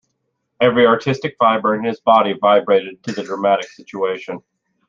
Every artistic fibre in his body vibrated to the dramatic situation.